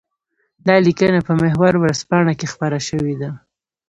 دا ليکنه په محور ورځپاڼه کې خپره شوې ده.